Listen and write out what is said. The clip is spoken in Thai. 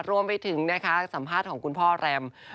รวมไปถึงนะคะสัมภาษณ์ของคุณพ่อแรม